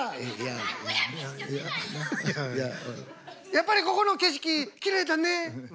やっぱりここの景色きれいだね。